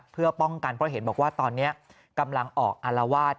เพื่อป้องกันเพราะเห็นบอกว่าตอนนี้กำลังออกอารวาส